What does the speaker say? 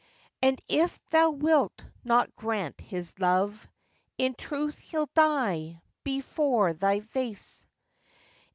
Cho. And if thou wilt not grant his love, In truth he'll die bevore thy vace.